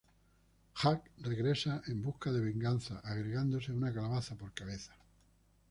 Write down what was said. Jack regresa en busca de venganza agregándose una calabaza por cabeza.